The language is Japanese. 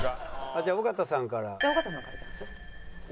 「じゃあ尾形さんから」。